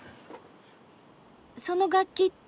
その楽器って。